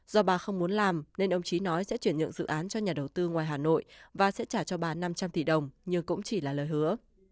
do bà không muốn làm nên ông trí nói sẽ chuyển nhượng dự án cho nhà đầu tư ngoài hà nội và sẽ trả cho bà năm trăm linh tỷ đồng nhưng cũng chỉ là lời hứa